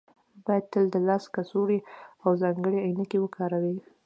باید تل د لاس کڅوړې او ځانګړې عینکې وکاروئ